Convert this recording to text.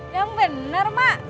yang bener mak